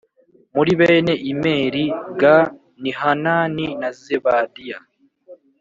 Muri bene Imeri g ni Hanani na Zebadiya